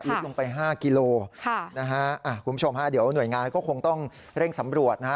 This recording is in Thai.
อึดลงไป๕กิโลกรัมคุณผู้ชมเดี๋ยวหน่วยงานก็คงต้องเร่งสำรวจ